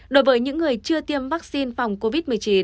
đối với những người chưa tiêm vaccine phòng covid một mươi chín